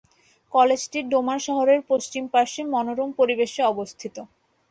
কলেজটি ডোমার শহরের পশ্চিম পার্শ্বে মনোরম পরিবেশে অবস্থিত।